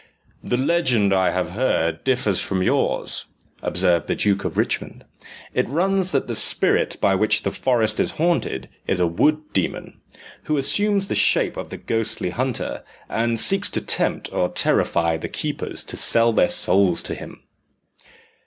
"The legend I have heard differs from yours," observed the Duke of Richmond: "it runs that the spirit by which the forest is haunted is a wood demon, who assumes the shape of the ghostly hunter, and seeks to tempt or terrify the keepers to sell their souls to him."